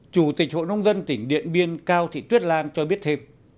chủ tịch hội nông dân tỉnh điện biên cao thị tuyết lan cho biết thêm